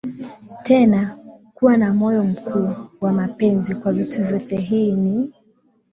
tena kuwa na moyo mkuu wa mapenzi kwa vitu vyote Hii ni